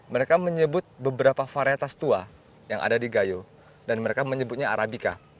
mereka menyebut beberapa varietas tua yang ada di gayo dan mereka menyebutnya arabica